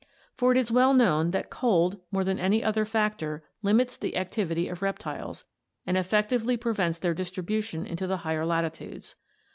For it is well known that cold more than any other factor limits the activity of reptiles and effectively prevents their distribution into the higher latitudes.